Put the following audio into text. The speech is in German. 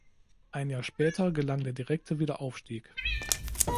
Ein Jahr später gelang der direkte Wiederaufstieg.